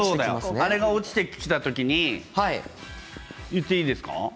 あれが落ちてきたときに言っていいですか？